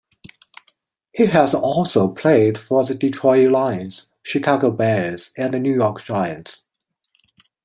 He has also played for the Detroit Lions, Chicago Bears, and New York Giants.